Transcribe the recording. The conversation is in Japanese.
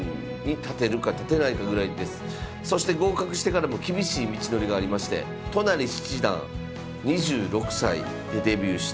そして合格してからも厳しい道のりがありまして都成七段２６歳でデビューして１５年半奨励会におられました。